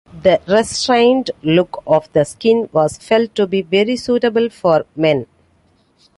The restrained look of the skin was felt to be very suitable for men.